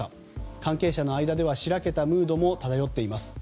関係者の間ではしらけたムードも漂っています。